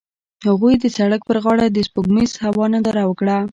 هغوی د سړک پر غاړه د سپوږمیز هوا ننداره وکړه.